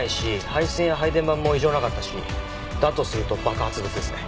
配線や配電盤も異常なかったしだとすると爆発物ですね。